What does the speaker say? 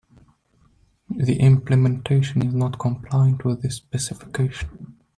The implementation is not compliant with the specification.